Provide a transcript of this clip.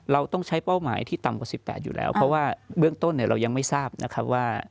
เราต้องใช้เป้าหมายที่ต่ำกว่า๑๘อยู่แล้วเพราะว่าเบื้องต้นเนี่ยเรายังไม่ทราบนะครับว่า